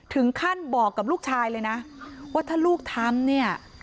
ถึงขั้นบอกกับลูกชายเลยนะว่าถ้าลูกทำเนี่ย